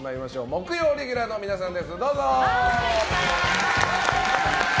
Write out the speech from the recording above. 木曜レギュラーの皆さんです。